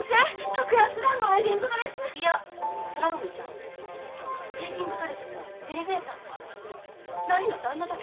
格安であのウエディングドレスいや空豆ちゃんウエディングドレスもエレベーターもあるないの旦那だけ